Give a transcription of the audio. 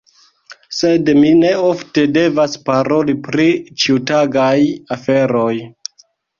Sed mi ne ofte devas paroli pri ĉiutagaj aferoj.